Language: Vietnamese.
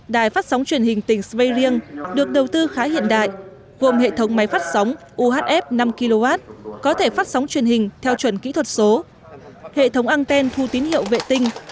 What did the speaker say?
đài phát sóng truyền hình tỉnh spareing được đầu tư khá hiện đại gồm hệ thống máy phát sóng uhf năm kw có thể phát sóng truyền hình theo chuẩn kỹ thuật số hệ thống anten thu tín hiệu vệ tinh